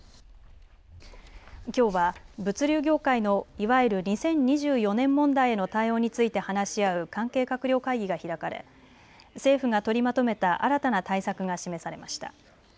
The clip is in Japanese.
きょうは物流業界のいわゆる２０２４年問題への対応について話し合う関係閣僚会議が開かれ、政府が取りまとめた新たな対策が示されました。